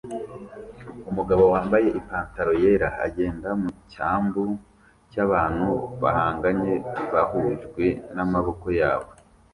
Umugabo wambaye ipantaro yera agenda mu cyambu cyabantu bahanganye bahujwe namaboko yabo